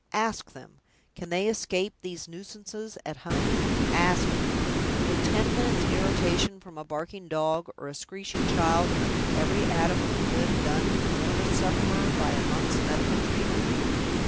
Ask them! Can they escape these nuisances at home? Ask them! Will ten minutes' irritation from a barking dog or a screeching child undo every atom of good done to a nervous sufferer by a month's medical treatment?